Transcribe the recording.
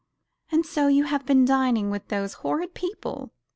"And so you have been dining with those horrid people!"